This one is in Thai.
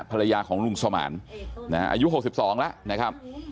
ภรรยาของลุงสมานนะฮะอายุหกสิบสองแล้วนะครับ